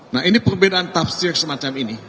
nah ini perbedaan tafsir semacam ini